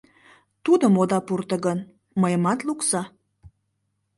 — Тудым ода пурто гын, мыйымат лукса.